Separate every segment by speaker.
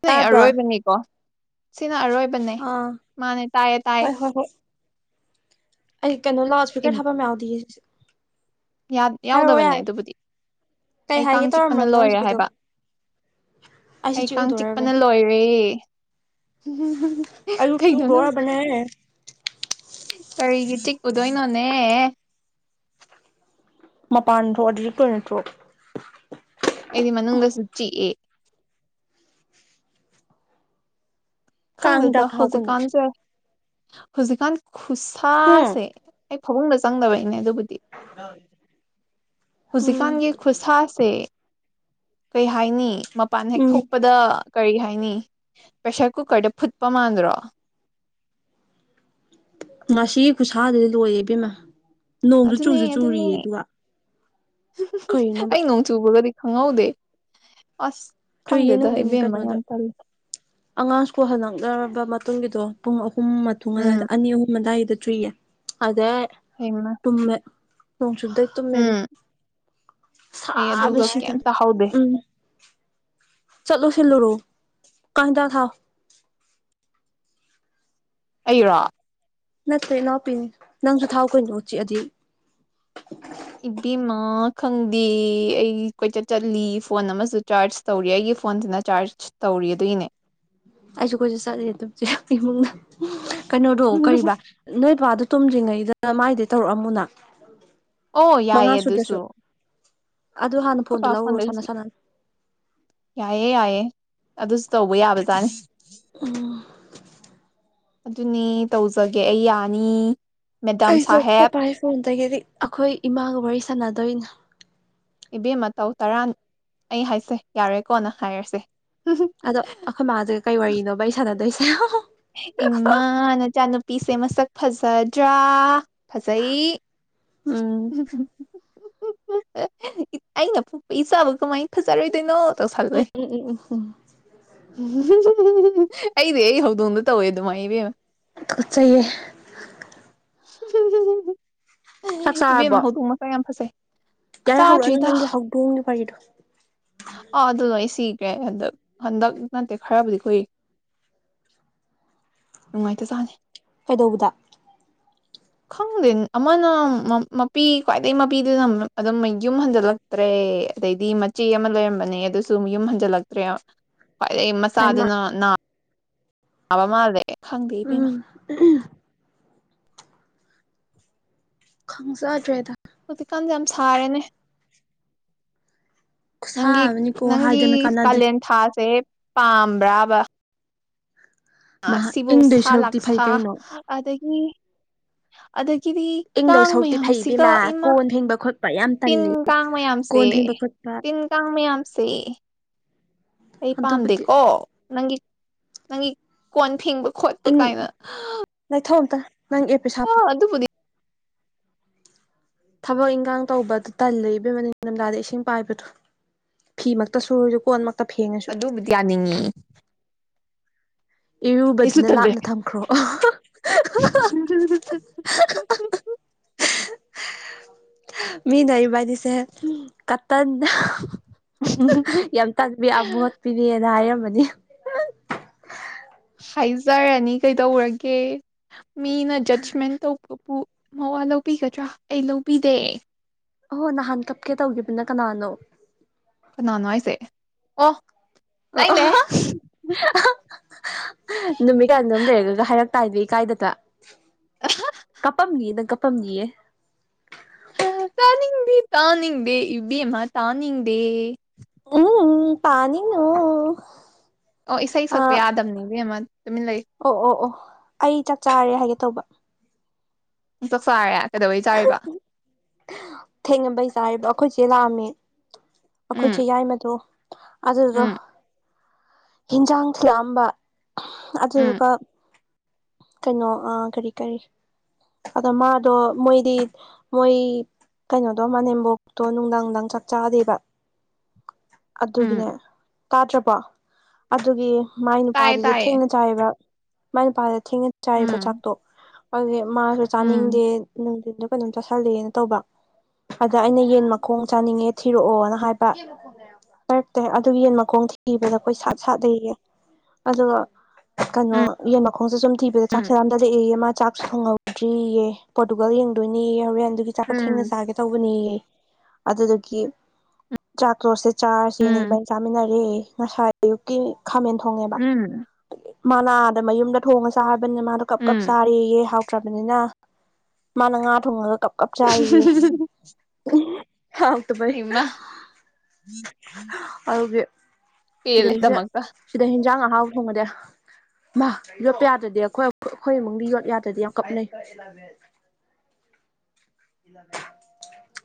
Speaker 1: ꯁꯤꯅꯦ
Speaker 2: ꯇꯥꯕ꯭ꯔꯣ
Speaker 1: ꯑꯔꯣꯏꯕꯅꯤꯀꯣ ꯁꯤꯅ ꯑꯔꯣꯏꯕ
Speaker 2: ꯑꯥ
Speaker 1: ꯃꯥꯅꯦ ꯇꯌꯦ ꯇꯌꯦ
Speaker 2: ꯍꯣꯏ ꯍꯣꯏ ꯍꯣꯏ ꯑꯩ ꯀꯩꯅꯣ ꯂꯥꯎ ꯏꯁꯄꯤꯀꯔ ꯊꯥꯄ ꯌꯥꯎꯗꯤ
Speaker 1: ꯌꯥꯎꯗꯕꯅꯦ ꯑꯗꯨꯕꯨꯗꯤ
Speaker 2: ꯀꯩ
Speaker 1: ꯑꯩ ꯀꯥꯡ
Speaker 2: ꯍꯥꯏꯒꯦ
Speaker 1: ꯆꯤꯛꯄꯅ
Speaker 2: ꯇꯧꯔꯝꯕꯅꯣ
Speaker 1: ꯂꯣꯏꯔꯦ
Speaker 2: ꯍꯧꯖꯤꯛꯀꯤꯗꯣ
Speaker 1: ꯍꯥꯏꯕ
Speaker 2: ꯑꯩꯁꯨ
Speaker 1: ꯑꯩ
Speaker 2: ꯆꯤꯛ
Speaker 1: ꯀꯥꯡ ꯆꯤꯛꯄꯅ
Speaker 2: ꯎꯗꯣꯔꯕꯅꯦ
Speaker 1: ꯂꯣꯏꯔꯦ
Speaker 2: ꯑꯌꯨ
Speaker 1: ꯀꯩꯩꯅꯣ ꯅ
Speaker 2: ꯆꯤꯛꯎꯗꯣꯔꯕꯅꯦ
Speaker 1: ꯀꯔꯤꯒꯤ ꯆꯤꯛꯄꯨꯗꯣꯏꯅꯣꯅꯦ
Speaker 2: ꯃꯄꯥꯟꯗꯣ ꯑꯗꯨꯗꯤ ꯀ ꯅꯠꯇ꯭ꯔꯣ
Speaker 1: ꯑꯩꯗꯤ ꯃꯅꯒ ꯁꯨꯆꯤ ꯑꯦ
Speaker 2: ꯀꯥꯡ ꯍꯤꯗꯥꯛ
Speaker 1: ꯈꯪꯗꯦꯗ
Speaker 2: ꯊꯥꯎ ꯀꯩꯅꯣ
Speaker 1: ꯍꯧꯖꯤꯛꯀꯥꯟꯁꯦ ꯍꯧꯖꯤꯛꯀꯥꯟ
Speaker 2: ꯍꯨꯝ
Speaker 1: ꯈꯨꯁꯥꯁꯦ ꯑꯩ ꯐꯃꯨꯡꯗ ꯆꯪꯗꯕꯒꯤꯅꯦ ꯑꯗꯨ ꯍꯧꯖꯤꯛꯀꯥꯟꯒꯤ ꯈꯨꯠꯁꯥꯁꯦ ꯀꯩ ꯍꯥꯏꯅꯤ ꯃꯄꯥꯟ ꯍꯦꯛ
Speaker 2: ꯎꯝ
Speaker 1: ꯊꯣꯛꯄꯗ ꯀꯔꯤ ꯍꯥꯏꯅꯤ ꯄ꯭ꯔꯦꯁꯔ ꯀꯨ ꯀꯗ ꯐꯨꯠꯄ ꯃꯥꯥꯟꯗ꯭ꯔꯣ
Speaker 2: ꯉꯥꯁꯤꯒꯤ ꯈꯨꯠꯁꯥꯗꯨꯗꯤ ꯂꯣꯏꯔꯦ ꯏꯕꯦꯝꯃ ꯅꯣꯡꯁꯨ
Speaker 1: ꯑꯗꯨꯅꯦ
Speaker 2: ꯆꯨꯁꯨ
Speaker 1: ꯑꯗꯨꯅꯦ
Speaker 2: ꯆꯨꯔꯤꯌꯦ ꯑꯗꯨꯒ ꯀꯔꯤꯅꯣꯕ
Speaker 1: ꯑꯩ ꯅꯣꯡ ꯆꯨꯕꯒꯗꯤ ꯍꯧꯗ ꯑꯁ
Speaker 2: ꯆꯨꯏꯌꯦ
Speaker 1: ꯈꯪꯗꯦꯗ
Speaker 2: ꯅꯨꯡꯊꯤꯟ
Speaker 1: ꯏꯕꯦꯝꯃ
Speaker 2: ꯀꯩꯅꯣꯗ
Speaker 1: ꯌꯥꯝ ꯇꯜꯂꯦ
Speaker 2: ꯑꯉꯥꯡꯁꯨꯀꯨ ꯍꯜꯂꯛꯂꯔꯕ ꯃꯇꯨꯡꯒꯤꯗꯣ ꯄꯨꯡ ꯑꯍꯨꯝ ꯑꯍꯨꯝ ꯃꯇꯨꯡ ꯑꯗꯨꯋꯥꯏꯗ
Speaker 1: ꯎꯝ
Speaker 2: ꯑꯅꯤ ꯑꯍꯨꯝ ꯑꯗꯨꯗꯥꯋꯥꯏꯗ ꯊ꯭ꯨꯔꯤꯌꯦ ꯑꯗ
Speaker 1: ꯍꯩꯃ
Speaker 2: ꯇꯨꯝꯃꯦ ꯣꯡꯁꯨꯗꯩ ꯃꯦ ꯑꯗꯨ
Speaker 1: ꯎꯝ ꯑꯩ ꯑꯗꯨꯒ
Speaker 2: ꯁꯁꯤ ꯊ
Speaker 1: ꯀꯩꯝ ꯇꯥꯍꯧꯗꯦ
Speaker 2: ꯎꯝ ꯆꯠꯂꯣ ꯁꯤꯜꯂꯣ ꯔꯣ ꯀꯥꯟꯗ ꯊꯥ
Speaker 1: ꯑꯩꯔꯥ
Speaker 2: ꯅꯠꯇ꯭ꯔꯦ ꯏꯅꯥꯎꯄꯤ ꯅꯪꯁꯨ ꯊꯥꯎ ꯀꯨꯏꯅꯣ ꯎꯠꯆꯤꯑꯗꯤ
Speaker 1: ꯏꯕꯤꯃꯥ ꯈꯪꯗꯦ ꯑꯩ ꯀꯣꯏꯆꯠ ꯆꯠꯂꯤ ꯐꯣꯟ ꯑꯃꯁꯨ ꯆꯥꯔꯖ ꯇꯧꯔꯤ ꯑꯩ ꯐꯣꯟꯗꯨꯅ ꯆꯥꯔꯖ ꯇꯧꯔꯤꯗꯏꯅꯦ
Speaker 2: ꯑꯩꯁꯨ ꯀꯣꯏꯁꯨ ꯆꯠꯂꯤꯦ ꯑꯗꯨꯨꯝꯁꯦ ꯏꯃꯨꯡꯗ ꯀꯩꯅꯣꯗꯣ ꯀꯕꯥ ꯅꯣꯏ ꯄ ꯇꯨꯝꯗ꯭ꯔꯤꯉꯩꯗ ꯃꯥꯏꯗꯩ ꯇꯧꯔꯛꯑꯝꯃꯨꯅ
Speaker 1: ꯑꯣ
Speaker 2: ꯃꯉꯥ
Speaker 1: ꯌꯥꯏꯌꯦ
Speaker 2: ꯁꯨꯗ꯭ꯔꯁꯨ
Speaker 1: ꯑꯗꯨꯁꯨ
Speaker 2: ꯑꯗꯨ ꯍꯥꯟꯅ ꯐꯣꯟꯗꯣ
Speaker 1: ꯄꯥꯥ
Speaker 2: ꯂꯧꯔꯣ ꯁꯥꯟꯅ
Speaker 1: ꯐꯗꯁꯤ
Speaker 2: ꯁꯥꯟꯅꯅ
Speaker 1: ꯌꯥꯑꯦ ꯌꯥꯑꯦ ꯑꯗꯨꯁꯨ ꯇꯧꯕ ꯌꯥꯕꯖꯥꯠꯅꯤ ꯑꯗꯨꯅꯦ ꯇꯧꯖꯒꯦ ꯑꯩ ꯌꯥꯅꯤ ꯃꯦꯗꯥꯝ
Speaker 2: ꯑꯩꯁꯨꯄ
Speaker 1: ꯁꯥꯍꯦꯕ
Speaker 2: ꯐꯣꯟꯗꯒꯤꯗꯤ ꯑꯩꯈꯣꯏ ꯏꯃꯥꯒ ꯋꯥꯔꯤ ꯁꯥꯟꯅꯗꯣꯏꯅꯦ
Speaker 1: ꯏꯕꯦꯝ ꯃꯇꯧ ꯇꯔꯥ ꯑꯩ ꯍꯥꯏꯁꯦ ꯌꯥꯔꯦꯀꯣꯅ ꯍꯥꯏꯔꯁꯦ
Speaker 2: ꯑꯗꯣ ꯑꯩꯈꯣꯏ ꯃꯥꯃꯁꯒ ꯀꯩ ꯋꯥꯔꯤꯅꯣꯕ ꯑꯩ ꯁꯥꯟꯅꯗꯣꯏꯁꯦ
Speaker 1: ꯏꯃꯥ ꯅꯆꯥꯅꯨꯄꯤꯁꯦ ꯃꯁꯛ ꯐꯖꯗ꯭ꯔꯥ ꯐꯖꯩ
Speaker 2: ꯎꯝ
Speaker 1: ꯑꯩꯅ ꯄꯣꯛꯄ ꯆꯥꯕ ꯀꯃꯥꯏꯅ ꯐꯖꯔꯣꯏꯗꯣꯏꯅꯣ ꯆꯔ ꯑꯩꯗꯤ ꯑꯩ ꯍꯧꯗꯣꯡꯗ ꯇꯧꯋꯦ ꯑꯗꯨꯃꯥꯏ ꯏꯕꯦꯝ
Speaker 2: ꯠ ꯆꯍꯤꯌꯦ ꯆꯥꯛ ꯆꯥꯔꯕꯣ
Speaker 1: ꯏꯕꯦꯝꯃꯥ ꯍꯗꯣꯡ ꯃꯁ ꯌꯥꯝ ꯐꯖꯩ
Speaker 2: ꯌꯥꯔꯦ
Speaker 1: ꯇꯥ
Speaker 2: ꯍꯧꯔꯛꯑꯅꯨ
Speaker 1: ꯆꯗ
Speaker 2: ꯅꯪꯒꯤ ꯍꯧꯗꯣꯡꯒꯤ ꯋꯥꯔꯤꯗꯣ
Speaker 1: ꯑꯗ ꯁꯤ ꯀ ꯍꯟꯗꯛ ꯍꯟꯗꯛ ꯅꯠꯇꯦ ꯈꯔꯕꯨꯗꯤ ꯀꯨꯏ ꯅꯨꯡꯉꯥꯏꯇ ꯆꯥꯅꯤ
Speaker 2: ꯀꯩꯗꯧꯕꯗ
Speaker 1: [unintelligible] ꯈꯪꯗꯦ ꯑꯃꯅ ꯃꯄꯤ ꯈ꯭ꯋꯥꯏꯗꯒꯤꯩ ꯃꯄꯤꯗꯨꯅ ꯑꯗꯨꯝ ꯌꯨꯝ ꯍꯟꯖꯜꯂꯛꯇ꯭ꯔꯦ ꯑꯗꯩꯗꯤ ꯃꯆꯦ ꯑꯃ ꯂꯩꯔꯝꯕꯅꯦ ꯑꯗꯨꯁꯨ ꯌꯨꯝ ꯍꯟꯖꯤꯜꯂꯛꯇ꯭ꯔꯦ ꯈ꯭ꯋꯥꯏꯗꯩ
Speaker 2: ꯍꯥꯏꯃ
Speaker 1: ꯃꯆꯥꯗꯨꯅ ꯅꯥ ꯑ ꯃꯥ ꯑꯗꯦ
Speaker 2: ꯎꯝ ꯈꯪꯖꯗ꯭ꯔꯦꯗ
Speaker 1: ꯍꯧꯖꯤꯛꯀꯥꯟꯖꯦ ꯌꯥꯝ ꯁꯥꯔꯦꯅꯦ
Speaker 2: ꯈꯨꯠꯁꯥ
Speaker 1: ꯅꯪꯒꯤ
Speaker 2: ꯑꯃꯅꯤꯀꯣ
Speaker 1: ꯅꯪꯒꯤ
Speaker 2: ꯍꯥꯏꯗꯅ ꯀꯥꯟꯅꯗꯦ
Speaker 1: ꯀꯥꯂꯦꯟ ꯊꯥꯁꯦ ꯄꯥꯝꯕ꯭ꯔꯥꯕ
Speaker 2: ꯃꯥ
Speaker 1: ꯑꯥ ꯁꯤꯕꯨ
Speaker 2: ꯏꯪꯗꯣꯏ
Speaker 1: ꯁꯥ
Speaker 2: ꯁꯔꯨꯛꯇꯤ ꯐꯩ
Speaker 1: ꯂꯥꯛꯁꯥ
Speaker 2: ꯀꯩꯅꯣ
Speaker 1: ꯑꯗꯒꯤ ꯑꯗꯒꯤ ꯀꯤꯗꯤ
Speaker 2: ꯏꯪꯗꯧ
Speaker 1: ꯀꯥꯡ
Speaker 2: ꯁꯔꯨꯛꯇꯤ ꯐꯩ
Speaker 1: ꯃꯌꯥꯝꯁꯤꯒ
Speaker 2: ꯏꯕꯦꯝꯃ
Speaker 1: ꯏꯃꯥ
Speaker 2: ꯀꯣꯟ ꯐꯦꯡꯕ ꯈꯣꯠꯄ ꯌꯥꯝ
Speaker 1: ꯇꯤꯟ
Speaker 2: ꯇꯜꯂꯤ
Speaker 1: ꯀꯥꯡ ꯃꯌꯥꯝꯁꯦ
Speaker 2: ꯀꯣꯟ ꯐꯦꯡꯕ ꯈꯣꯠꯄ
Speaker 1: ꯇꯤꯟ ꯀꯥꯡ ꯃꯌꯥꯝꯁꯦ ꯑꯩ
Speaker 2: ꯑꯗꯨꯕꯨꯗꯤ
Speaker 1: ꯄꯥꯝꯗꯦꯀꯣ ꯅꯪꯒꯤ ꯅꯪꯒꯤ ꯀꯣꯟ ꯐꯦꯡꯕ ꯈꯣꯠꯄ ꯀꯥꯏꯅ
Speaker 2: ꯊꯣ ꯑꯝꯇ ꯅꯪ ꯑꯦꯞꯄꯤꯁ ꯍꯥꯞꯄꯣ
Speaker 1: ꯑꯥ ꯑꯗꯨꯕꯨꯗꯤ
Speaker 2: ꯊꯕꯛ ꯏꯪꯒꯥꯡ ꯇꯧꯕ ꯑꯗꯨ ꯇꯜꯂꯦ ꯏꯕꯦꯝꯃ ꯅꯤꯡꯗꯝꯗꯥꯗ ꯏꯁꯤꯡ ꯄꯥꯏꯕꯗꯣ ꯐꯤ ꯃꯛꯇ ꯁꯨꯔꯁꯨ ꯀꯣꯟꯃꯛ
Speaker 1: ꯑꯗꯨꯕꯨꯗꯤ ꯌꯥꯅꯤꯡꯏ
Speaker 2: ꯏꯔꯨꯕꯗꯨꯅ
Speaker 1: ꯇꯜꯂꯦ
Speaker 2: ꯂꯥꯞꯅ ꯊꯝꯈ꯭ꯔꯣ
Speaker 1: [unintelligible]
Speaker 2: ꯃꯤꯅ ꯏꯕꯥꯏꯅꯤꯁꯦ ꯀꯠ ꯇꯟ ꯌꯥꯝ ꯇꯟꯕꯤ ꯑꯃꯣꯠꯄꯤꯅꯦ ꯍꯥꯏꯔꯝ ꯃꯅꯤ
Speaker 1: ꯍꯥꯏꯖꯔꯅꯤ ꯀꯩꯗꯧꯔꯒꯦ ꯃꯤꯅ ꯖꯁꯃꯦꯟ ꯇꯧꯕ ꯄꯨ ꯃꯋꯥ ꯂꯧꯕꯤꯒꯗ꯭ꯔꯥ ꯑꯩ ꯂꯧꯕꯤꯗꯦ
Speaker 2: ꯑꯍꯣ ꯅꯍꯥꯟ ꯀꯞꯀꯦ ꯇꯧꯈꯤꯕꯅ ꯀꯅꯥꯅꯣ
Speaker 1: ꯀꯅꯥꯅꯣ ꯍꯥꯏꯁꯦ ꯑꯣ
Speaker 2: ꯑꯣ
Speaker 1: ꯇꯥꯅꯤꯡꯗꯦ
Speaker 2: ꯑꯍꯥ ꯑꯍꯥ ꯅꯨꯃꯤꯠ ꯀꯌꯥꯅꯣꯝꯅꯤ ꯂꯩꯔꯒꯒ ꯍꯥꯏꯔꯛ ꯇꯥꯏꯗ ꯀꯥꯏꯗꯇ ꯀꯞꯄꯝꯅꯤꯌꯦ ꯅꯪ ꯀꯞꯄꯝꯅꯤꯌꯦ
Speaker 1: ꯇꯥꯅꯤꯡꯗꯦ ꯇꯥꯅꯤꯡꯗꯦ ꯏꯕꯦꯝꯃ ꯇꯥꯅꯤꯡꯗꯦ
Speaker 2: ꯎꯝ ꯎꯝ ꯇꯥꯅꯤꯡꯅꯨ
Speaker 1: ꯑꯣ ꯏꯁꯩ ꯁꯛꯄ ꯌꯥꯗꯝꯅꯤ ꯕꯦꯝꯃ
Speaker 2: ꯑꯣ ꯑꯣ ꯑꯣ ꯑꯩ ꯆꯥꯛ ꯆꯥꯔꯦ ꯍꯥꯏꯒꯦ ꯇꯧꯕ
Speaker 1: ꯆꯥꯛ ꯆꯥꯔꯦ ꯀꯩꯗꯧꯕꯩ ꯆꯥꯔꯤꯕ
Speaker 2: ꯊꯦꯡꯉꯕꯩ ꯆꯥꯔꯤꯕ ꯑꯩꯈꯣꯏ ꯆꯦ ꯂꯥꯛꯑꯝꯃꯦ ꯑꯩꯈꯣꯏ
Speaker 1: ꯎꯝ
Speaker 2: ꯆꯦ ꯌꯥꯏꯃꯗꯣ ꯑꯗꯨꯗꯣ
Speaker 1: ꯎꯝ
Speaker 2: ꯍꯤꯟꯖꯥꯡ ꯊꯤꯂꯛꯑꯝꯕ
Speaker 1: ꯎꯝ
Speaker 2: ꯑꯗꯨꯗꯨꯒ ꯀꯩꯅꯣ ꯑ ꯀꯔꯤ ꯀꯔꯤ ꯑꯗꯣ ꯃꯥꯗꯣ ꯃꯣꯏꯗꯤ ꯃꯣꯏ ꯀꯩꯅꯣꯗꯣ ꯃꯅꯦꯝꯕꯣꯛꯇꯣ ꯅꯨꯡꯗꯥꯡ ꯅꯨꯡꯗꯥꯡ ꯆꯥꯛ ꯆꯥꯗꯦꯕ
Speaker 1: [inaudible]
Speaker 2: ꯑꯗꯨꯒꯤꯅꯦ ꯇꯥꯗ꯭ꯔꯕꯣ ꯑꯗꯨꯒꯤ ꯃꯥꯏ
Speaker 1: ꯇꯥꯏꯌꯦ
Speaker 2: ꯅꯨꯄꯥꯗꯨꯗ
Speaker 1: ꯇꯥꯏꯌꯦ
Speaker 2: ꯊꯦꯡꯅ ꯆꯥꯏꯌꯦꯕ ꯃꯥꯏ ꯅꯨꯄꯥꯗ ꯊꯦꯡꯅ ꯆꯥꯏꯌꯦꯕ
Speaker 1: ꯎꯝ
Speaker 2: ꯆꯥꯛꯇꯣ ꯑꯗꯨꯒꯤ ꯃꯥꯁꯨ
Speaker 1: ꯎꯝ
Speaker 2: ꯆꯥꯅꯤꯡꯗꯦ [unintelligible] ꯗ ꯀꯩꯅꯣꯝ ꯆꯥꯁꯤꯜꯂꯦꯅ ꯇꯧꯕ ꯑꯗ ꯑꯩꯅ ꯌꯦꯟ ꯃꯈꯣꯡ ꯆꯥꯅꯤꯡꯉꯦ ꯊꯤꯔꯛꯑꯣꯅ ꯍꯥꯏꯕ ꯄꯥꯏꯔꯛꯇꯦ ꯑꯗꯨꯒ ꯌꯦꯟ ꯃꯈꯣꯡ ꯊꯤꯕꯗ ꯀꯣꯏꯁꯥꯠ ꯁꯥꯠꯂꯦꯌꯦ ꯑꯗꯨꯒ ꯀꯅꯣ
Speaker 1: ꯎꯝ
Speaker 2: ꯌꯦꯟ ꯃꯈꯣꯡꯖꯨ ꯖꯨꯝ ꯊꯤꯕꯗ
Speaker 1: ꯎꯝ
Speaker 2: ꯆꯥꯛꯁꯦ ꯂꯥꯝꯗꯔꯛꯑꯦꯌꯦ ꯃꯥ ꯆꯥꯛꯁꯨ ꯊꯣꯡꯍꯧꯗ꯭ꯔꯤꯌꯦ ꯄꯣꯔꯇꯨꯒꯜ ꯌꯦꯡꯗꯣꯏꯅꯦꯌꯦ ꯍꯧꯔꯦꯟ ꯑꯗꯨꯒꯤ ꯆꯥꯛꯇꯣ ꯊꯦꯡꯅ
Speaker 1: ꯎꯝ
Speaker 2: ꯆꯥꯒꯦ ꯇꯧꯕꯅꯦꯌꯦ ꯑꯗꯨꯗꯨꯒꯤ ꯆꯥꯛꯇꯣ [unintelligible] ꯆꯥꯔꯁꯦꯅ
Speaker 1: ꯎꯝ
Speaker 2: ꯏꯕꯥꯟꯅꯤ ꯆꯥꯃꯤꯟꯅꯔꯦ ꯉꯁꯥꯏ ꯑꯌꯨꯛꯀꯤ ꯈꯥꯃꯦꯟ ꯊꯣꯡꯉꯦꯕ
Speaker 1: ꯎꯝ
Speaker 2: ꯃꯅꯥꯗ ꯃꯌꯨꯝꯗ ꯊꯣꯡꯉꯁꯤ ꯕꯅꯤꯅ ꯃꯥꯗꯣ ꯀꯞ ꯀꯞ
Speaker 1: ꯎꯝ
Speaker 2: ꯆꯥꯔꯦꯌꯦ ꯍꯥꯎꯇ꯭ꯔꯕꯅꯤꯅ ꯃꯥꯅ ꯉꯥ ꯊꯣꯡꯉꯒ ꯀꯞ ꯀꯞ ꯆꯥꯏꯌꯦ ꯍꯥꯎ ꯇꯕꯩ
Speaker 1: ꯍꯩꯃꯥ ꯄꯦꯜꯂꯦ ꯗꯃꯛꯇ
Speaker 2: ꯏꯟꯖꯥꯡ ꯑꯍꯥꯎ ꯊꯣꯡꯕꯗꯤ ꯃꯥ ꯌꯣꯠꯄ ꯌꯥꯗꯦ ꯗꯤ ꯑꯩꯈꯣꯏ ꯑꯩꯈꯣꯏ ꯏꯃꯨꯡꯗꯤ ꯌꯣꯠ ꯌꯥꯗ꯭ꯔꯗꯤ ꯌꯥꯝ ꯀꯥꯞꯅꯩ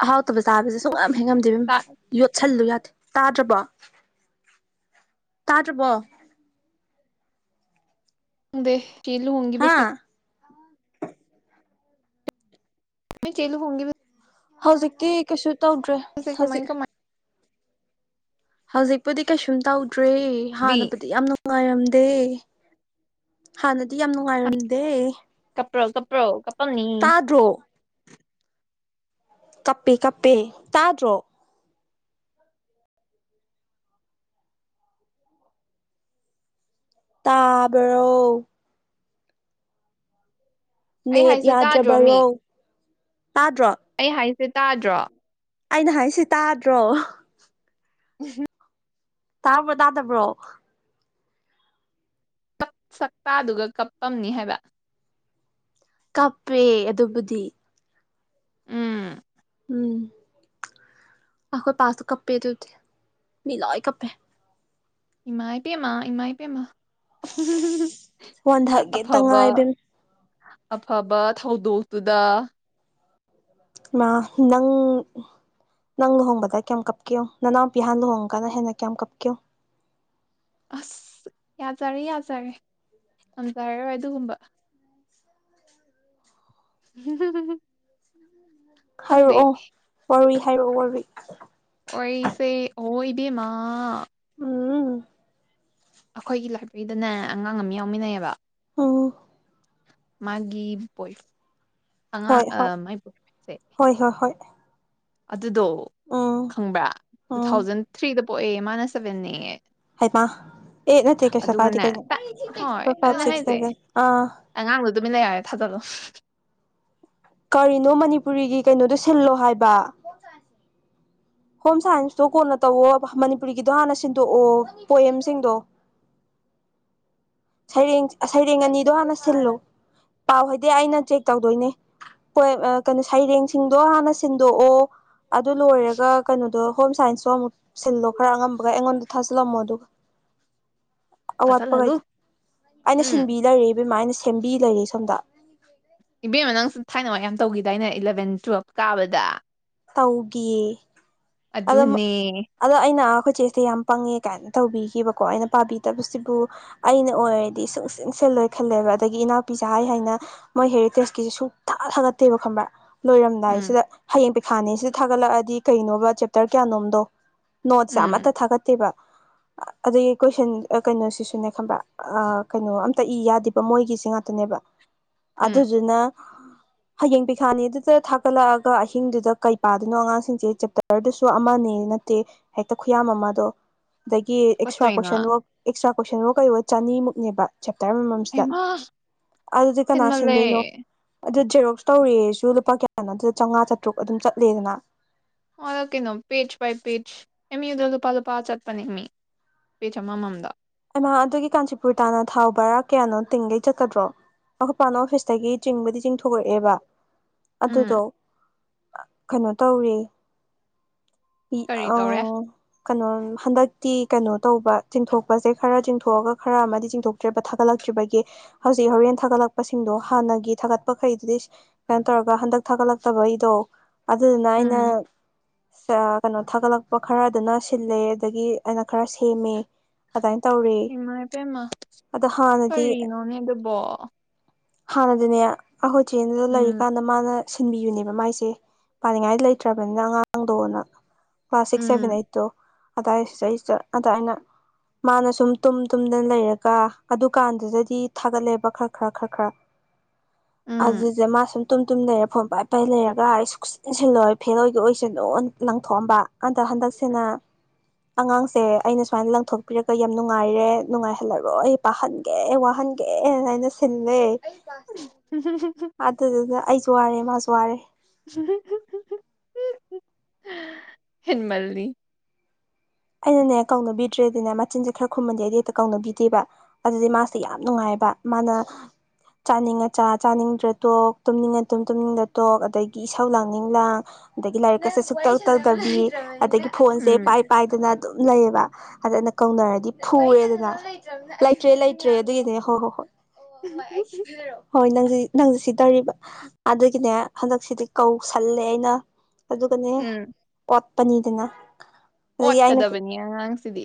Speaker 2: ꯑꯍꯥꯎꯇꯕ ꯆꯥꯕꯁꯦ ꯁꯨꯡ ꯌꯥꯝ ꯍꯦꯟꯉꯝꯗꯦꯕ ꯌꯣꯠꯁꯜꯂꯨ ꯇꯥꯗ꯭ꯔꯕꯣ ꯇꯥꯗ꯭ꯔꯕꯣ
Speaker 1: ꯗ ꯆꯤꯂꯨ ꯍꯣꯡꯒꯤ
Speaker 2: ꯍꯥ
Speaker 1: ꯁꯤ ꯆ ꯆꯩ ꯂꯨ ꯍꯣꯡꯒꯦ
Speaker 2: ꯍꯧꯖꯤꯛꯇꯤ ꯀꯩꯁꯨ ꯇꯧꯗ꯭ꯔꯦ
Speaker 1: ꯀꯃꯥꯏ
Speaker 2: ꯍꯧꯖꯤꯛ
Speaker 1: ꯀꯃꯥꯏ
Speaker 2: ꯍꯧꯖꯤꯛꯄꯨꯗꯤ ꯀꯩꯁꯨꯝ ꯇꯧꯗ꯭ꯔꯦ
Speaker 1: ꯗꯤ
Speaker 2: ꯍꯥꯟꯅꯕꯨꯗꯤ ꯌꯥꯝ ꯅꯨꯡꯉꯥꯏꯔꯝꯗꯦ ꯑ ꯍꯥꯟꯅꯗꯤ ꯌꯥꯝ ꯅꯨꯡꯉꯥꯏꯔꯝꯗꯦ
Speaker 1: ꯀꯞꯄ꯭ꯔꯣ ꯀꯞꯄ꯭ꯔꯣ ꯀꯞꯄꯝꯅꯤ
Speaker 2: ꯇꯥꯗ꯭ꯔꯣ ꯀꯞꯄꯦ ꯀꯞꯄꯦ ꯇꯥꯗ꯭ꯔꯣ ꯇꯥꯕꯔꯣ
Speaker 1: ꯑꯩ
Speaker 2: ꯅꯦꯠ
Speaker 1: ꯍꯥꯏꯁꯦ ꯇꯥꯗ꯭ꯔꯣ ꯃꯤ
Speaker 2: ꯌꯥꯗ꯭ꯔꯕꯔꯣ ꯇꯥꯗ꯭ꯔꯣ
Speaker 1: ꯑꯩ ꯍꯥꯏꯁꯦ ꯇꯥꯗ꯭ꯔꯣ
Speaker 2: ꯑꯩꯅ ꯍꯥꯏꯁꯤ ꯇꯥꯗ꯭ꯔꯣ
Speaker 1: ꯎꯝ
Speaker 2: ꯇꯥꯕ꯭ꯔꯣ ꯇꯥꯗꯕ꯭ꯔꯣ
Speaker 1: ꯁ ꯁꯛꯇꯥꯗꯨꯒ ꯀꯞꯄꯝꯅꯤ ꯍꯥꯏꯕ
Speaker 2: ꯀꯞꯄꯦ ꯑꯗꯨꯕꯨꯗꯤ
Speaker 1: ꯎꯝ
Speaker 2: ꯎꯝ ꯑꯈꯣꯏ ꯄꯥꯁꯇ ꯀꯞꯄꯦꯗꯗꯤ ꯃꯤ ꯂꯏ ꯀꯞꯄꯦ
Speaker 1: ꯏꯃꯥꯏ ꯄꯦꯃ ꯏꯃꯥꯏ ꯄꯦꯃ
Speaker 2: ꯋꯥꯟꯊꯒꯦꯇ
Speaker 1: ꯑꯐꯕ
Speaker 2: ꯉꯥꯏꯔꯦ
Speaker 1: ꯑꯐꯕ ꯊꯧꯗꯣꯛꯇꯨꯗ
Speaker 2: ꯃꯥ ꯅꯪ ꯅꯪ ꯂꯨꯍꯣꯡꯕꯗ ꯀꯌꯥꯝ ꯀꯞꯀꯦꯣ ꯅꯅꯥꯎꯄꯤꯍꯥꯟ ꯂꯨꯍꯣꯡꯒꯅ ꯍꯦꯟꯅ ꯀꯌꯥꯝ ꯀꯞꯀꯦꯣ
Speaker 1: ꯑꯁ ꯌꯥꯖꯔꯦ ꯌꯥꯖꯔꯦ ꯌꯥꯝꯝꯖꯔꯔꯣꯏ ꯑꯗꯨꯒꯨꯝꯕ [unintelligible] ꯈꯪꯗꯦ
Speaker 2: ꯍꯥꯏꯔꯛꯑꯣ ꯋꯥꯔꯨꯏ ꯍꯥꯏꯔꯛꯑꯣ ꯋꯥꯔꯨꯏ
Speaker 1: ꯑꯣꯏꯣꯏꯁꯦ ꯑꯣꯏ ꯏꯕꯤ ꯃꯥ
Speaker 2: ꯎꯝ
Speaker 1: ꯑꯩꯈꯣꯏꯒꯤ ꯂꯥꯏꯕ꯭ꯔꯦꯔꯤꯗꯅꯦ ꯑꯉꯥꯡ ꯑꯃ ꯌꯥꯎꯃꯤꯟꯅꯩꯌꯦꯕ
Speaker 2: ꯑꯣ
Speaker 1: ꯃꯥꯒꯤ ꯣꯏ
Speaker 2: ꯍꯣꯏ ꯍꯣꯏ
Speaker 1: ꯑꯉꯥꯡ ꯃꯥꯏ ꯕꯣꯏꯁꯦ
Speaker 2: ꯍꯣꯏ ꯍꯣꯏ ꯍꯣꯏ
Speaker 1: ꯑꯗꯨꯗꯣ
Speaker 2: ꯎꯝ
Speaker 1: ꯈꯪꯕ꯭ꯔꯥ ꯇꯨ
Speaker 2: ꯎꯝ
Speaker 1: ꯊꯥꯎꯖꯟ ꯊ꯭ꯔꯤꯗ ꯄꯣꯛꯑꯦ ꯃꯥꯅ ꯁꯕꯦꯟ ꯅꯦꯛꯉꯦ
Speaker 2: ꯍꯥꯏ ꯃꯥ ꯑꯦ ꯅ ꯀꯩꯁ ꯀꯥꯏꯗꯤ
Speaker 1: ꯑꯗꯨꯒꯅꯦ
Speaker 2: ꯀ
Speaker 1: ꯇꯥꯛ ꯍꯣꯏ
Speaker 2: ꯐ ꯐ
Speaker 1: ꯑꯗꯨꯅꯦ
Speaker 2: ꯁꯤ
Speaker 1: ꯍꯥꯏꯁꯦ
Speaker 2: ꯑ
Speaker 1: ꯑꯉꯥꯡꯗꯣ ꯑꯗꯨꯃꯤꯟꯅ ꯌꯥꯔꯦ ꯊꯥꯗꯠꯂꯣ
Speaker 2: ꯀꯔꯤꯅꯣ ꯃꯅꯤꯄꯨꯔꯤꯒꯤ ꯀꯩꯅꯣꯗꯣ ꯁꯤꯜꯂꯣ ꯍꯥꯏꯕ ꯍꯣꯝ ꯁꯥꯏꯟꯁꯇꯣ ꯀꯣꯟꯅ ꯇꯧꯋ ꯃꯅꯤꯄꯨꯔꯤꯒꯤꯗꯣ ꯍꯥꯟꯅ ꯁꯤꯟꯗꯣꯛꯑꯣ ꯄꯣꯦꯝꯁꯤꯡꯗꯣ
Speaker 1: [unintelligible]
Speaker 2: ꯁꯩꯔꯦꯡ ꯁꯩꯔꯦꯡ ꯑꯅꯤꯗꯣ ꯍꯥꯟꯅ ꯁꯤꯜꯂꯨ ꯄꯥꯎ ꯍꯥꯏꯗꯤ ꯑꯩꯅ ꯆꯦꯛ ꯇꯧꯗꯣꯏꯅꯦꯣꯏ ꯀꯩꯅꯣ ꯁꯩꯔꯦꯡꯁꯤꯡꯗꯣ ꯍꯥꯟꯅ ꯁꯤꯟꯗꯣꯛꯑꯣ ꯑꯗꯨ ꯂꯣꯏꯔꯒ ꯀꯩꯅꯣꯗꯣ ꯍꯣꯝ ꯁꯥꯏꯟꯁꯁꯨ ꯑꯃꯨꯛ ꯁꯤꯜꯂꯣ ꯈꯔ ꯑꯉꯝꯕꯒ ꯑꯩꯉꯣꯟꯗ ꯊꯥꯖꯤꯜꯂꯝꯃꯣ ꯑꯗꯨꯒ
Speaker 1: ꯊꯥꯖꯜꯍꯜꯂꯨ
Speaker 2: ꯑꯋꯥꯠꯄꯈꯩꯗꯣ ꯑꯩꯅ
Speaker 1: ꯎꯝ
Speaker 2: ꯁꯤꯟꯕꯤ ꯂꯩꯔꯦ ꯏꯕꯦꯝꯃꯥ ꯑꯩꯅ ꯁꯦꯝꯕꯤ ꯂꯩꯔꯦ ꯁꯣꯝꯗ
Speaker 1: ꯏꯕꯦꯝꯃ ꯅꯪꯁꯨ ꯊꯥꯏꯅ ꯋꯥ ꯌꯥꯝ ꯇꯧꯈꯤꯗꯥꯏꯅꯦ ꯏꯂꯚꯦꯟ ꯇꯨꯋꯦꯜꯞ ꯀꯥꯕꯗ
Speaker 2: ꯇꯧꯒ ꯑꯗ
Speaker 1: ꯑꯗꯨꯅꯦ
Speaker 2: ꯑꯗꯣ ꯑꯩꯅ ꯀꯣꯏꯆꯦꯁꯦ ꯌꯥꯝ ꯄꯪꯉꯦ ꯀꯥꯏꯅ ꯇꯧꯕꯤꯈꯤꯕꯀꯣ ꯑꯩꯅ ꯄꯥꯕꯤꯗꯕꯁꯤꯕꯨ ꯑꯩꯅ ꯑꯣꯏꯔꯗꯤ ꯁꯨꯡ ꯁꯨꯡ ꯁꯦ ꯂꯣꯏ ꯈꯜꯂꯦꯕ ꯑꯗꯒꯤ ꯏꯅꯥꯛꯄꯤ ꯁ ꯍꯥꯏ ꯍꯥꯏꯅ ꯃꯣꯏ ꯍꯦꯔꯤꯇꯦꯖꯀꯤꯁꯦ ꯁꯨꯊ ꯊꯥꯒꯠꯇꯦꯕ ꯈꯪꯕ꯭ꯔꯥ ꯂꯣꯏꯔꯝꯗꯥꯏ
Speaker 1: ꯎꯝ
Speaker 2: ꯁꯤꯗ ꯍꯌꯦꯡ ꯄꯩꯈꯥꯅꯦ ꯁꯤꯗ ꯊꯥꯒꯠꯂꯛꯑꯗꯤ ꯀꯩꯅꯣꯕ ꯆꯦꯞꯇꯔ ꯀꯌꯥꯅꯣꯝꯗꯣ ꯅꯣꯠꯁꯦ ꯑꯃꯠꯇ
Speaker 1: ꯎꯝ
Speaker 2: ꯊꯥꯒꯠꯇꯦꯕ ꯑꯗꯒꯤ ꯀꯣꯏꯁꯟ ꯀꯩꯅꯣꯁꯤꯁꯨꯅꯦ ꯈꯪꯕ꯭ꯔꯥ ꯀꯩꯅꯣ ꯑꯝꯇ ꯏ ꯌꯥꯗꯦꯕ ꯃꯣꯏꯒꯤꯁꯦ ꯉꯥꯛꯇꯅꯦ
Speaker 1: ꯎꯝ
Speaker 2: ꯑꯗꯨꯗꯨꯅ ꯍꯌꯦꯡ ꯄꯤꯈꯥꯅꯤꯗꯨꯗ ꯊꯥꯒꯠꯂꯛꯑꯒ ꯑꯍꯤꯡꯗꯨꯗ ꯀꯩ ꯄꯥꯗꯣꯏꯅꯣ ꯑꯉꯥꯡꯁꯤꯡꯁꯦ ꯆꯦꯞꯇꯔꯗꯨꯁꯨ ꯑꯃꯅꯦ ꯅꯠꯇꯦ ꯍꯦꯛꯇ ꯈꯨꯌꯥꯝ ꯑꯃꯗꯣ ꯑꯗꯒꯤ ꯑꯦꯛꯁꯇ꯭ꯔꯥ
Speaker 1: ꯇꯨꯀꯠꯆꯩ ꯅꯪ
Speaker 2: ꯀꯣꯏꯁꯟꯋꯛ ꯑꯦꯛꯁꯇ꯭ꯔꯥ ꯀꯣꯏꯁꯟ ꯋꯥꯛ ꯀꯩ ꯑꯣꯏ ꯆꯅꯤꯃꯨꯛꯅꯦꯕ ꯆꯦꯞꯇꯔ ꯑꯃꯃꯝꯁꯤꯗ
Speaker 1: ꯍꯩꯃꯥ
Speaker 2: ꯑꯗꯨꯗꯤ ꯀꯅꯥ
Speaker 1: ꯍꯦꯟꯃꯜꯂꯦ
Speaker 2: ꯁꯟꯗꯣꯏꯅꯣ ꯑꯗꯨ ꯖꯦꯔꯣꯛꯁ ꯇꯧꯔꯦꯁꯨ ꯂꯨꯄꯥ ꯀꯌꯥꯅꯣ ꯑꯗꯨꯗ ꯆꯥꯝꯃꯉꯥ ꯆꯥꯇ꯭ꯔꯨꯛ ꯑꯗꯨꯝ ꯆꯠꯂꯦꯗꯅ
Speaker 1: ꯑꯣ ꯀꯩꯅꯣ ꯄꯦꯖ ꯏ ꯄꯦꯖ ꯑꯦꯃꯤꯗ ꯂꯨꯄꯥ ꯂꯨꯄꯥ ꯆꯠꯄꯅꯦꯃꯤ ꯄꯦ ꯆꯃꯃꯝꯗ
Speaker 2: ꯏꯃꯥ ꯑꯗꯨꯒꯤ ꯀꯥꯟꯆꯤꯄꯨꯔ ꯇꯥꯅ ꯊꯥꯎ ꯕꯔꯥ ꯀꯌꯥꯅꯣ ꯇꯤꯡꯒꯩ ꯆꯠꯀꯗ꯭ꯔꯣ ꯑꯩꯈꯣꯏꯄꯥꯟꯅ ꯑꯣꯐꯤꯁꯇꯒꯤ ꯆꯤꯡꯕꯗꯤ ꯆꯤꯡꯊꯣꯔꯛꯑꯦꯕ
Speaker 1: ꯎꯝ
Speaker 2: ꯑꯗꯨꯗꯣ ꯀꯩꯅꯣ ꯇꯧꯔꯤ
Speaker 1: ꯀꯔꯤ
Speaker 2: ꯑ
Speaker 1: ꯇꯧꯔꯦ
Speaker 2: ꯀꯩꯅꯣ ꯍꯟꯗꯛꯇꯤ ꯀꯩꯅꯣ ꯇꯧꯕ ꯆꯤꯡꯊꯣꯛ ꯁꯦ ꯈꯔ ꯆꯤꯡꯊꯣꯛꯑꯒ ꯈꯔ ꯑꯃꯗꯤ ꯆꯤꯡꯊꯣꯛꯇ꯭ꯔꯤꯕ ꯊꯥꯒꯠꯂꯛꯇ꯭ꯔꯤꯕꯒꯤ ꯍꯧꯖꯤꯛ ꯍꯣꯔꯦꯟ ꯊꯥꯒꯠꯂꯛꯄꯁꯤꯡꯗꯣ ꯍꯥꯟꯅ ꯍꯥꯟꯅꯒꯤ ꯊꯥꯒꯠꯄꯈꯩꯗꯨꯗꯤ ꯁꯨꯃꯥꯏꯅ ꯇꯧꯔꯒ ꯍꯟꯗꯛ ꯊꯥꯒꯠꯂꯛꯇꯕꯩꯗꯣ ꯑꯗꯨꯅꯥꯏꯅ
Speaker 1: ꯎꯝ
Speaker 2: ꯀꯩꯅꯣ ꯊꯥꯒꯠꯂꯛꯄ ꯈꯔ ꯑꯗꯨꯅ ꯁꯤꯜꯂꯦ ꯑꯗꯒꯤ ꯑꯩꯅ ꯈꯔ ꯁꯦꯝꯃꯦ ꯑꯗꯨꯃꯥꯏꯅ ꯇꯧꯔꯤ
Speaker 1: ꯏꯃꯥ ꯏꯕꯦꯝꯃ
Speaker 2: ꯑꯗꯣ ꯍꯥꯟꯅꯗꯤ
Speaker 1: ꯀꯔꯤꯅꯣꯅꯦ ꯑꯗꯨꯕꯣ
Speaker 2: ꯍꯥꯟꯅꯗꯤꯅꯦ ꯑꯩꯈꯣꯏ ꯆꯦꯗꯨꯗ
Speaker 1: ꯎꯝ
Speaker 2: ꯂꯩꯔꯤꯀꯥꯟꯗ ꯃꯥꯅ ꯁꯤꯟꯕꯤꯌꯨꯅꯦꯕ ꯃꯥꯏꯁꯦ ꯄꯥꯅꯤꯡꯉꯥꯏ ꯂꯩꯇ꯭ꯔꯕꯅꯤꯅ ꯑꯉꯥꯡꯗꯣꯅ ꯀ꯭ꯂꯥꯁ ꯁꯤꯛꯁ
Speaker 1: ꯎꯝ
Speaker 2: ꯁꯚꯦꯟ ꯑꯩꯠꯇꯣ ꯑꯗꯥꯏ ꯁꯤꯗꯩꯁꯤꯗ ꯑꯗꯥ ꯑꯩꯅ ꯃꯥꯅ ꯁꯨꯝ ꯇꯨꯝ ꯇꯨꯝꯗꯅ ꯂꯩꯔꯒ ꯑꯗꯨꯀꯥꯟꯗꯨꯗꯗꯤ ꯊꯥꯒꯠꯂꯦꯕ ꯈꯔ ꯈꯔ ꯈꯔ ꯈꯔ
Speaker 1: ꯑ
Speaker 2: ꯑꯗꯨꯁꯦ ꯃꯥ ꯁꯨꯝ ꯇꯨꯝ ꯇꯨꯝ ꯂꯩꯔꯦ ꯐꯣꯟ ꯄꯥꯏ ꯄꯥꯏ ꯂꯩꯔꯒ ꯁꯨꯆꯤꯟ ꯁꯤꯜꯂꯣꯏ ꯐꯦꯜ ꯑꯣꯏꯒꯦ ꯑꯣꯏꯁꯦ ꯂꯪꯊꯣꯛꯑꯝꯕ ꯑꯟꯗ ꯍꯟꯗꯛꯁꯤꯅ ꯑꯉꯥꯡꯁꯦ ꯑꯩꯅ ꯁꯨꯃꯥꯏꯅ ꯂꯪꯊꯣꯛ ꯄꯤꯔꯛꯒ ꯌꯥꯝ ꯅꯨꯡꯉꯥꯏꯔꯦ ꯅꯨꯡꯉꯥꯏꯍꯜꯂꯔꯣꯏ ꯑꯩ ꯄꯥꯍꯟꯒꯦ ꯋꯥꯍꯟꯒꯦꯅ ꯑꯅ ꯁꯤꯜꯂꯦ
Speaker 1: [inaudible]
Speaker 2: ꯖꯔꯦ ꯖ꯭ꯔꯦ
Speaker 1: ꯍꯤꯟꯃꯜꯅꯤ
Speaker 2: ꯑꯩꯅꯅꯦ ꯀꯧꯅꯕꯤꯗ꯭ꯔꯦꯗꯤꯅꯦ ꯃꯆꯤꯟꯁꯦ ꯈꯔ ꯈꯨꯝꯃꯟꯗꯤꯦ ꯑꯩꯗꯤ ꯍꯦꯛꯇ ꯀꯧꯅꯕꯤꯗꯦꯕ ꯑꯗꯨꯗꯤ ꯃꯥꯁꯦ ꯌꯥꯝ ꯅꯨꯡꯉꯥꯏꯔ ꯃ ꯆꯥꯅꯤꯡꯉꯆꯥ ꯆꯥꯅꯤꯡꯗ꯭ꯔ ꯇꯣꯛ ꯇꯨꯝꯅꯤꯡꯉ ꯇꯨꯝ ꯇꯨꯝꯅꯤꯡꯗ ꯇꯣꯛ ꯑꯗꯒꯤ ꯏꯁꯧ ꯂꯥꯡꯅꯤꯡ ꯂꯥꯡ ꯑꯗꯒꯤ ꯂꯥꯏꯔꯤꯛꯀꯁꯦ ꯁꯨꯛꯇꯨꯛꯇꯗꯕꯤ ꯑꯗꯒꯤ ꯐꯣꯟꯁꯦ
Speaker 1: ꯎꯝ
Speaker 2: ꯄꯥꯏ ꯄꯥꯏ ꯑꯗꯨꯝ ꯂꯩꯌꯦꯕ ꯑꯗ ꯑꯅ ꯀꯧꯅꯔꯗꯤ ꯐꯨꯔꯦꯗꯅ ꯂꯩꯇ꯭ꯔꯦ ꯂꯩꯇ꯭ꯔꯦ ꯑꯗꯨꯒꯤꯗꯨꯅꯦ ꯍꯣꯏ ꯍꯣꯏ ꯍꯣꯏ ꯑꯣ ꯍꯣ ꯍꯣꯏ ꯅꯪ ꯅꯪꯁ ꯁꯤꯗꯔꯤꯕ ꯑꯗꯨꯒꯤꯅꯦ ꯍꯟꯗꯛꯁꯤꯗꯤ ꯀꯧꯁꯜꯂꯦ ꯑꯩꯅ ꯑꯗꯨꯒꯅꯦ
Speaker 1: ꯎꯝ
Speaker 2: ꯀꯣꯠꯄꯅꯤꯗꯅ ꯑꯗꯒꯤ ꯑꯩꯅ
Speaker 1: ꯑꯣꯠꯀꯗꯕꯅꯤ ꯑꯉꯥꯡꯁꯤꯗꯤ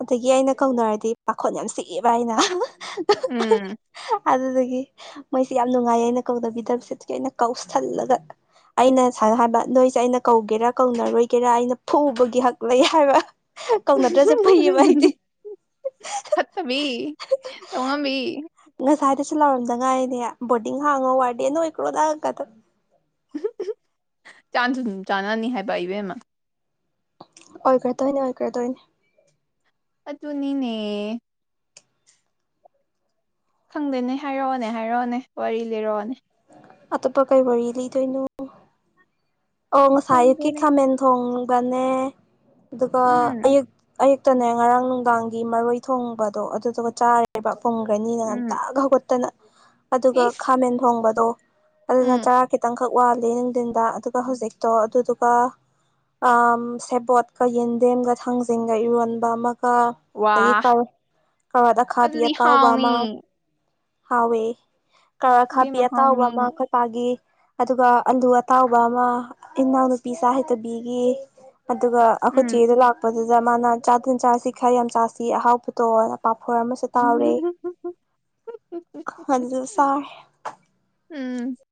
Speaker 2: ꯑꯗꯒꯤ ꯑꯩꯅ ꯀꯧꯅꯔꯗꯤ ꯄꯥꯈꯣꯠ ꯌꯥꯝ ꯁꯤꯛꯑꯦꯕ ꯍꯥꯏꯅ
Speaker 1: ꯎꯝ
Speaker 2: ꯑꯗꯨꯗꯒꯤ ꯃꯣꯏꯁꯤ ꯌꯥꯝ ꯅꯨꯡꯉꯥꯏꯌꯦ ꯑꯩꯅ ꯀꯧꯗꯕꯤꯗꯕꯁꯦ ꯑꯗꯨꯀꯤ ꯑꯩꯅ ꯀꯧꯁꯜꯂꯒ ꯑꯩꯅ ꯁꯅ ꯍꯥꯏꯕ ꯅꯣꯏꯁꯦ ꯑꯩꯅ ꯀꯧꯒꯦꯔꯥ ꯀꯧꯅꯔꯣꯏꯒꯦꯔꯥ ꯑꯩꯅ ꯐꯨꯕꯒꯤ ꯍꯛ ꯂꯩ ꯍꯥꯏꯕ ꯀꯧꯅꯗ꯭ꯔꯁꯦ ꯐꯩꯌꯦꯕ ꯍꯥꯏꯗꯤ
Speaker 1: ꯐꯠꯇꯕꯤ ꯇꯉꯕꯤ
Speaker 2: ꯉꯁꯥꯏꯗꯁꯨ ꯂꯥꯎꯔꯝꯗꯉꯥꯏꯅꯦ ꯕꯣꯔꯗꯤꯡ ꯍꯥꯡꯉ ꯋꯥꯗꯦ ꯅ ꯑꯣꯏꯈ꯭ꯔꯣꯗꯒ
Speaker 1: ꯆꯥꯅꯅꯤ ꯍꯥꯏꯕ ꯏꯕꯦꯝꯃ
Speaker 2: ꯑꯣꯏꯈꯔꯦ ꯇꯣꯏꯅꯦ ꯑꯣꯏꯈ꯭ꯔꯦ ꯇꯣꯏꯅꯦ
Speaker 1: ꯑꯆꯅꯤꯅꯦ ꯈꯪꯗꯦꯅꯦ ꯍꯥꯏꯔꯛꯑꯣꯅꯦ ꯍꯥꯏꯔꯛꯑꯣꯅꯦ ꯋꯥꯔꯤ ꯂꯩꯔꯛꯑꯣꯅꯦ
Speaker 2: ꯑꯇꯣꯞꯄ ꯀꯩ ꯋꯥꯔꯤ ꯂꯩꯗꯣꯏꯅꯣ ꯑ ꯉꯁꯥꯏ ꯑꯌꯨꯛꯀꯤ
Speaker 1: ꯈꯪꯗꯦꯅꯦ
Speaker 2: ꯈꯥꯃꯦꯟ ꯊꯣꯡ ꯒꯅꯦ ꯑꯗꯨꯒ
Speaker 1: ꯎꯝ
Speaker 2: ꯑꯌꯨꯛ ꯑꯌꯨꯛ ꯈꯛꯇꯅꯦ ꯉꯔꯥꯡ ꯅꯨꯡꯗꯥꯡꯒꯤ ꯃꯔꯣꯏ ꯊꯣꯡꯕꯗꯣ ꯑꯗꯨꯗꯨꯒ ꯆꯥꯔꯦꯕ ꯐꯨꯝꯒꯅꯤꯅ ꯉꯟꯇ
Speaker 1: ꯎꯝ
Speaker 2: ꯈꯒꯠꯇꯅ ꯑꯗꯨꯒ
Speaker 1: ꯏꯁ
Speaker 2: ꯈꯥꯃꯦꯟ ꯊꯣꯡꯕꯗꯣ ꯑꯗꯨꯅ
Speaker 1: ꯎꯝ
Speaker 2: ꯆꯔꯥ ꯈꯤꯇꯪꯈꯛ ꯋꯥꯠꯂꯤ ꯅꯨꯡꯊꯤꯟꯗ ꯑꯗꯨꯒ ꯍꯧꯖꯤꯛꯇꯣ ꯑꯗꯨꯗ ꯁꯦꯕꯣꯠꯀ ꯌꯦꯟꯗꯦꯝꯒ ꯊꯥꯡꯖꯤꯡꯒ ꯏꯔꯣꯟꯕ ꯑꯃ
Speaker 1: ꯋꯥ
Speaker 2: ꯑꯗꯒꯤ ꯀꯋꯥꯗꯈꯥꯕꯤ
Speaker 1: ꯑꯗꯨꯗꯤ
Speaker 2: ꯑꯇꯥꯎꯕ
Speaker 1: ꯍꯥꯎꯅꯤ
Speaker 2: ꯑꯃ ꯍꯥꯎꯋꯦ ꯀꯔ ꯈꯥꯕꯤ
Speaker 1: ꯏꯕꯦꯝꯃ
Speaker 2: ꯑꯇꯥꯎꯕ
Speaker 1: ꯍꯥꯎꯅꯤ
Speaker 2: ꯑꯃ ꯑꯩꯈꯣꯏꯄꯥꯒꯤ ꯑꯗꯨꯒ ꯑꯂꯨ ꯑꯇꯥꯎꯕ ꯑꯃ ꯏꯅꯥꯎ ꯅꯨꯄꯤ ꯍꯩꯇꯕꯤꯒꯤ ꯑꯗꯨꯒ ꯑꯩꯈꯣꯏ
Speaker 1: ꯎꯝ
Speaker 2: ꯆꯦꯗ ꯂꯥꯛꯄ ꯑꯗꯨꯗ ꯃꯥꯅ ꯆꯥꯗꯟ ꯆꯥꯁꯤ ꯈꯔ ꯌꯥꯝ ꯆꯥꯁꯤ ꯑꯍꯥꯎꯄꯇꯣꯛꯑ ꯄꯥꯐꯣꯔ ꯑꯃꯁꯨ ꯇꯥꯎꯔꯦ ꯑꯗꯨꯁꯨ ꯆꯥꯔꯦ
Speaker 1: ꯎꯝ